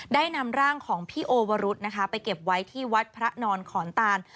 ได้นำร่างของพี่โอวรุษนะคะไปเก็บไว้ที่วัดพระนอนขอนตาน